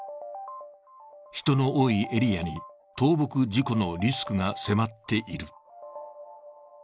人の多いエリアに倒木事故のリスクが迫っている。